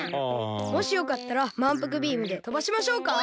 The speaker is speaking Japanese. もしよかったらまんぷくビームでとばしましょうか？